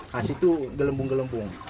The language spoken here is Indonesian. nah situ gelembung gelembung